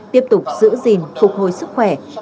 tiếp tục giữ gìn phục hồi sức khỏe